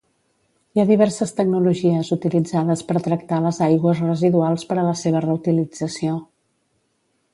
Hi ha diverses tecnologies utilitzades per tractar les aigües residuals per a la seva reutilització.